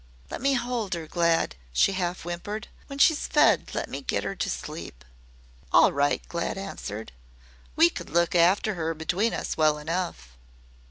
"Let me hold her, Glad," she half whimpered. "When she's fed let me get her to sleep." "All right," Glad answered; "we could look after 'er between us well enough."